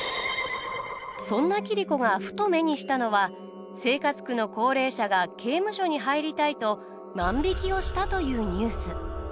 そんな桐子がふと目にしたのは生活苦の高齢者が刑務所に入りたいと万引きをしたというニュース。